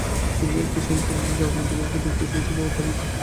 তিনি একটি সন্তানের জন্ম দিলেও উপযুক্ত চিকিৎসার অভাবে তার মৃত্যু হয়।